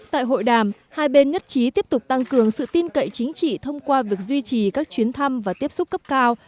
tại hội đàm hai bên nhất trí tiếp tục tăng cường sự tin cậy chính trị thông qua việc duy trì các chuyến thăm và tiếp xúc cấp cao